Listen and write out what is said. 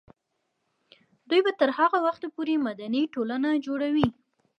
دوی به تر هغه وخته پورې مدني ټولنه جوړوي.